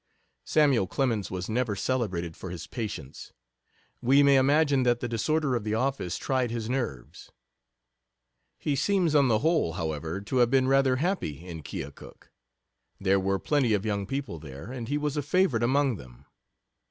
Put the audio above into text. Samuel Clemens was never celebrated for his patience; we may imagine that the disorder of the office tried his nerves. He seems, on the whole, however, to have been rather happy in Keokuk. There were plenty of young people there, and he was a favorite among them.